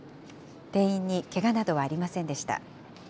店員にけがなどはありませんでした。